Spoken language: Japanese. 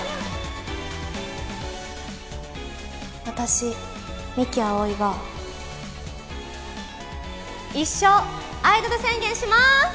私三木葵は一生アイドル宣言しまーす！